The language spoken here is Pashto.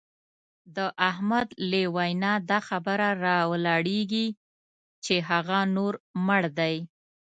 د احمد له وینا دا خبره را ولاړېږي چې هغه نور مړ دی.